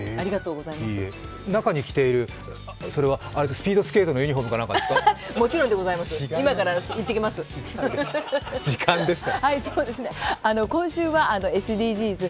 中に着ている、それはスピードスケートのユニフォームか何かですか？